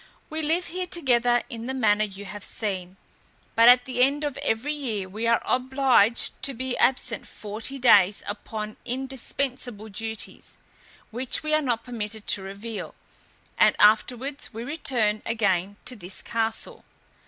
We live here together in the manner you have seen; but at the end of every year we are obliged to be absent forty days upon indispensable duties, which we are not permitted to reveal: and afterwards we return again to this castle.